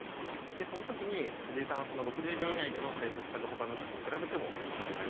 でその時に藤井さんは６０秒以内での正確さが他の棋士に比べてもはるかに高くて。